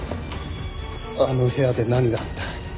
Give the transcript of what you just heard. あの部屋で何があった？